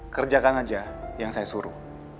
kerjakan aja yang saya suruh